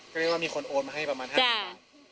ก็เรียกว่ามีคนโอนมาให้ประมาณ๕๐๐๐บาท